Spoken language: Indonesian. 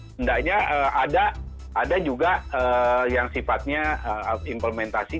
hendaknya ada juga yang sifatnya implementasi